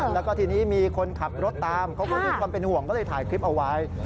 แล้วก็ทีนี้มีคนขับรถตามเขาก็มีความเป็นห่วงก็เลยถ่ายคลิปเอาไว้